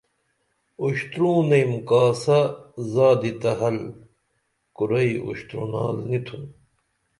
اُشترونئیم کاسہ زادی تہ حل کُرئی اُشترونال نی تُھن